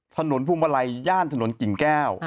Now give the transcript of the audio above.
ถนนภูมิวัลัยย่านถนนกิ่งแก้ว